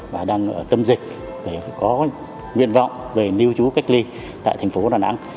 và đang ở tâm dịch để có nguyện vọng về lưu trú cách ly tại thành phố đà nẵng